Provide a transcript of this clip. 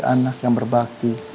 anak yang berbakti